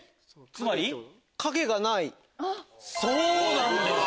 そうなんです。